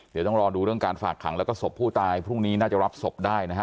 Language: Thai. เดี๋ยวต้องรอดูเรื่องการฝากขังแล้วก็ศพผู้ตายพรุ่งนี้น่าจะรับศพได้นะฮะ